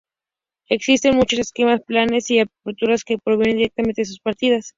Existen muchos esquemas, planes y aperturas que provienen directamente de sus partidas.